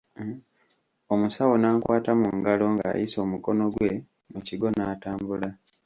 Omusawo n'ankwata mu ngalo ng'ayisa omukono gwe mu kigo n'atambula.